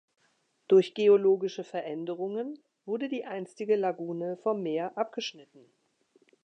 Durch geologische Veränderungen wurde die einstige Lagune vom Meer abgeschnitten.